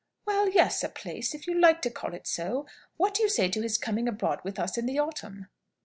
"Well, yes; a place, if you like to call it so. What do you say to his coming abroad with us in the autumn?"